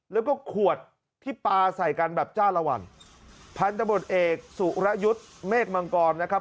แล้วก็ขวดที่ปลาใส่กันแบบจ้าละวันพันธบทเอกสุรยุทธ์เมฆมังกรนะครับ